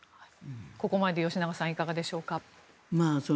ここまでで吉永さんいかがでしょうか。